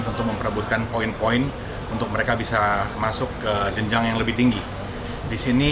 tentu memperebutkan poin poin untuk mereka bisa masuk ke jenjang yang lebih tinggi disini